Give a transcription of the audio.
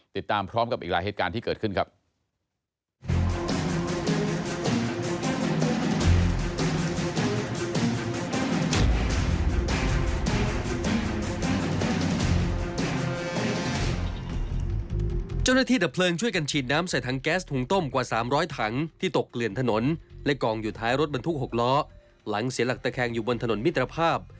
ติดตามพร้อมกับอีกหลายเหตุการณ์ที่เกิดขึ้นครับ